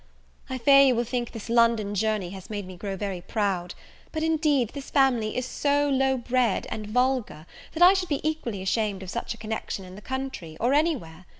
I fear you will think this London journey has made me grow very proud; but indeed this family is so low bred and vulgar, that I should be equally ashamed of such a connection in the country, or anywhere.